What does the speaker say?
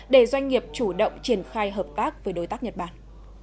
để doanh nghiệp chủ động triển khai hợp tác với đối tác nhật bản